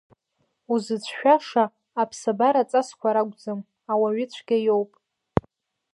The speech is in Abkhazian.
Узыцәшәаша, аԥсабара аҵасқәа ракәӡам, ауаҩы цәгьа иоуп.